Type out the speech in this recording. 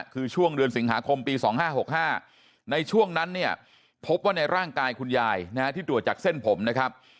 คือช่วงเดือนสิงหาคมปี๒๕๖๕ในช่วงนั้นเนี่ยพบว่าในร่างกายคุณยายที่ตรวจจากเส้นผมนะครับ